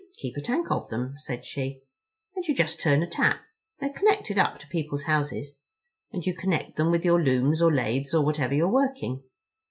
"We keep a tank of them," said she, "and you just turn a tap—they're connected up to people's houses—and you connect them with your looms or lathes or whatever you're working.